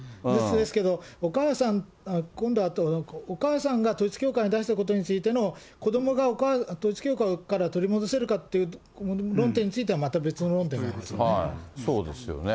ですけど、お母さん、今度はお母さんが統一教会に出したことに対しての、子どもが統一教会から取り戻せるかという論点については、また別の論点になりそうですよね。